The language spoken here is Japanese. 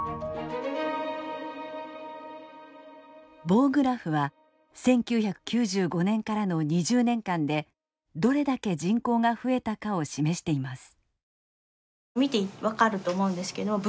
棒グラフは１９９５年からの２０年間でどれだけ人口が増えたかを示しています。